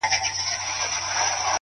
هره ستونزه د ودې بلنه ده!